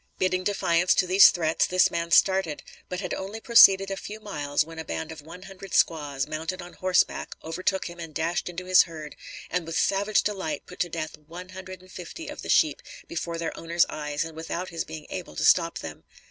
Bidding defiance to these threats, this man started; but had only proceeded a few miles, when a band of one hundred squaws, mounted on horseback, overtook him and dashed into his herd, and with savage delight put to death one hundred and fifty of the sheep before their owner's eyes and without his being able to stop them.